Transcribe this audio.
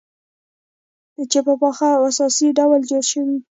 چې په پاخه او اساسي ډول جوړه شوې،